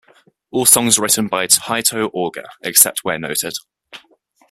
All songs written by Tito Auger, except where noted.